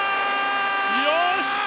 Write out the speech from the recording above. よし！